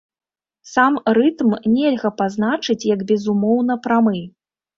Сам рытм нельга пазначыць як безумоўна прамы.